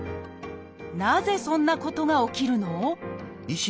なぜそんなことが起きるの？